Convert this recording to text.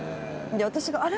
私が「あれ？